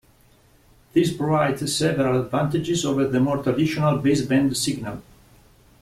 This provides several advantages over the more traditional baseband signal.